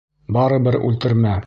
Барыбер үлтермә!